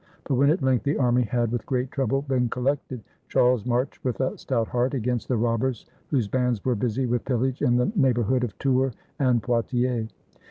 But when at length the army had, with great trouble, been collected, Charles marched with a stout heart against the robbers whose bands were busy with pillage in the neighborhood of Tours and Poitiers.